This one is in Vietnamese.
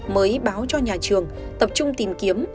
mới báo cho nhà trường tập trung tìm kiếm